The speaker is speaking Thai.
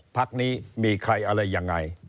พักนี้มีใครอะไรยังไง